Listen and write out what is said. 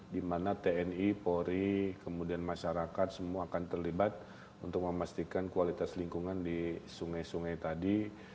di mana tni polri kemudian masyarakat semua akan terlibat untuk memastikan kualitas lingkungan di sungai sungai tadi